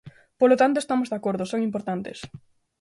Polo tanto, estamos de acordo: son importantes.